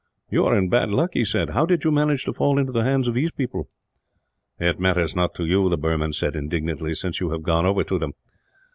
"You are in bad luck," he said. "How did you manage to fall into the hands of these people?" "It matters not to you," the Burman said indignantly, "since you have gone over to them."